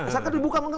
saya kan dibuka